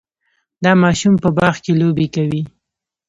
دا ماشوم په باغ کې لوبې کوي.